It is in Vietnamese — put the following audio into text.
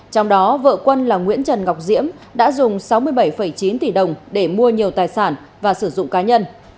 trong đó vợ quân là nguyễn trần ngọc diễm đã dùng sáu mươi bảy chín tỷ đồng để mua nhiều tài sản và sử dụng cá nhân